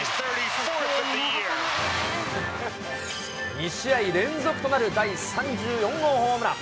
２試合連続となる第３４号ホームラン。